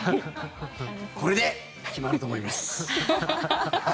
これで決まると思います。